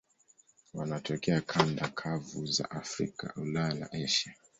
Wanatokea kanda kavu za Afrika, Ulaya na Asia.